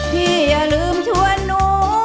อย่าลืมชวนหนู